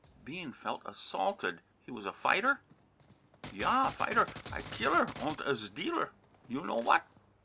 Bean felt assaulted. "He was a fighter?" "Yah, fider a killer unt a sdealer. You know what?"